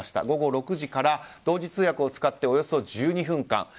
午後６時から同時通訳を使っておよそ１２分間。